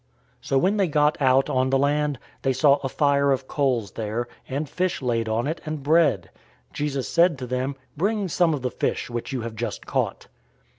021:009 So when they got out on the land, they saw a fire of coals there, and fish laid on it, and bread. 021:010 Jesus said to them, "Bring some of the fish which you have just caught."